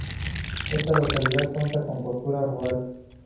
Esta localidad cuenta con posta rural.